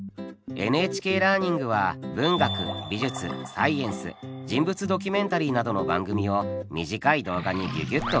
ＮＨＫラーニングは文学美術サイエンス人物ドキュメンタリーなどの番組を短い動画にギュギュッと凝縮。